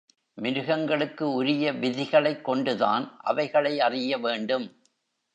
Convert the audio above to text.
மிருகங்களுக்கு உரிய விதிகளைக் கொண்டு தான் அவைகளை அறிய வேண்டும்.